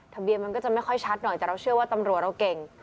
มันก็จะไม่ค่อยชัดหน่อยแต่เราเชื่อว่าตำรวจเราเก่ง